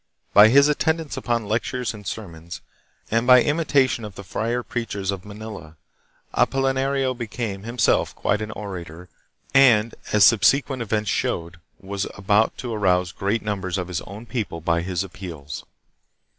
By his attendance upon lectures and sermons and by imi tation of the friar preachers of Manila, Apolinario became, himself, quite an orator, and, as subsequent events showed, was able to arouse great numbers of his own people by his appeals.